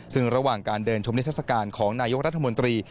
ซึ่งระหว่างการเดินชมนิทรศการของนายกรัฐมนตรี